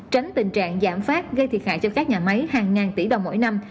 tránh tình trạng giảm phát gây thiệt hại cho các nhà máy hàng ngàn tỷ đồng mỗi năm